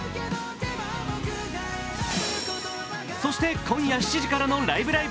そして、今夜７時からの「ライブ！ライブ！」